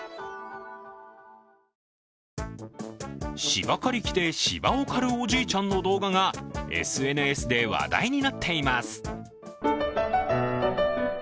芝刈り機で芝を刈るおじいちゃんの動画がＳＮＳで話題になっています。